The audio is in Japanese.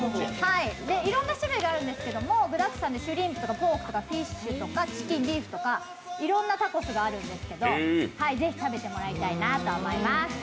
いろんな種類があるんですけど、具だくさんでシュリンプとかポークとかフィッシュとかチキン、ビーフとか、いろんなタコスがあるんですけどぜひ食べてもらいたいなと思います。